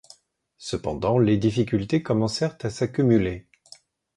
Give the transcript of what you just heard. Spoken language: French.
Cependant, les difficultés commencèrent à s'accumuler.